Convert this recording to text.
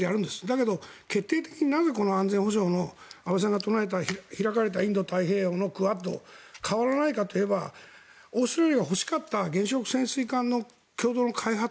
だけど決定的になぜこの安全保障の安倍さんが唱えた開かれたインド太平洋のクアッドが変わらないかといえばオーストラリアが欲しかった共同の開発